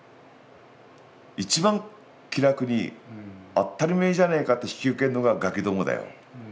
一番気楽に「当ったりめえじゃねえか」って引き受けるのがガキどもだよ。